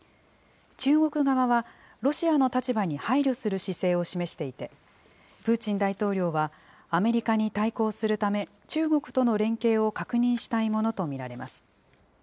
中国側は、ロシアの立場に配慮する姿勢を示していて、プーチン大統領は、アメリカに対抗するため、中国との連携を確認したいものと見られます。